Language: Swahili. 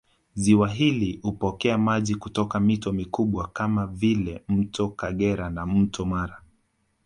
Ziwa hili hupokea maji kutoka mito mikubwa kama vile Mto Kagera na Mto Mara